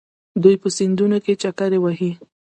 دوی په سیندونو کې چکر وهي.